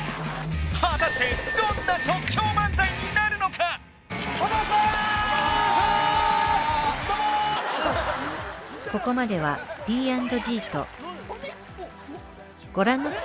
果たしてどんな即興漫才になるのかお邪魔します